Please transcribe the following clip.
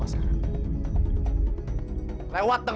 hai anak ibu itu